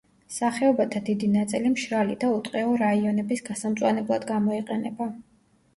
სახეობათა დიდი ნაწილი მშრალი და უტყეო რაიონების გასამწვანებლად გამოიყენება.